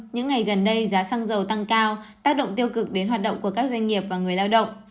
những ngày gần đây giá xăng dầu tăng cao tác động tiêu cực đến hoạt động của các doanh nghiệp và người lao động